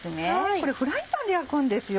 これフライパンで焼くんですよ。